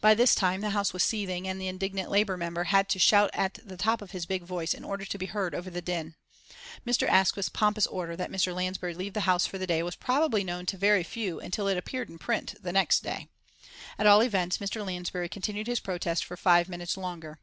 By this time the House was seething, and the indignant Labour member had to shout at the top of his big voice in order to be heard over the din. Mr. Asquith's pompous order that Mr. Lansbury leave the House for the day was probably known to very few until it appeared in print next day. At all events Mr. Lansbury continued his protest for five minutes longer.